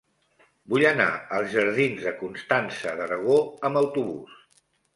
Vull anar als jardins de Constança d'Aragó amb autobús.